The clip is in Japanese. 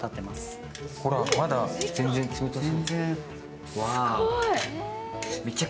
まだ全然冷たそう。